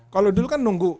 kalau dulu kan nunggu